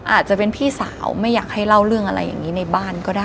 อาจจะเป็นพี่สาวไม่อยากให้เล่าเรื่องอะไรอย่างนี้ในบ้านก็ได้